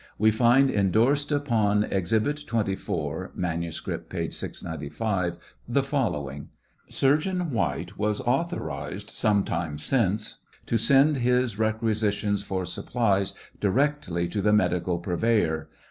We find indorsed upon "Exhibit 24 (manuscript, p. 695) the following : Surgeon White was authorized some time since to send his requisitions for supplies directly °n thp medical purveyor.